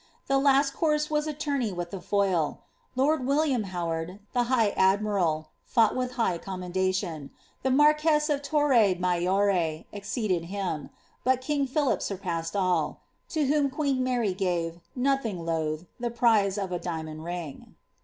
The last course was a tourney with the foil. Lord William Howard, the high admiral, fought with high commendation ; the marquess of Torre M ayore ex ceeded him; but king Philip surpassed all;" to whom queen Mary gave, nothing loth, the prize of a diamond ring.